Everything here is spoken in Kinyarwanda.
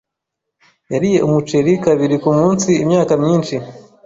Yariye umuceri kabiri kumunsi imyaka myinshi.